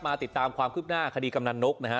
ติดตามความคืบหน้าคดีกำนันนกนะฮะ